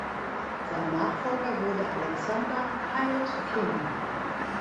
Sein Nachfolger wurde Alexander Hyatt King.